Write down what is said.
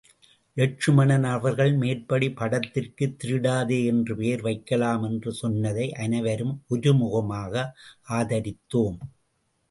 லெட்சுமணன் அவர்கள் மேற்படி படத்திற்கு திருடாதே என்று பெயர் வைக்கலாம் என்று சொன்னதை அனைவரும் ஒருமுகமாக ஆதரித்தோம்.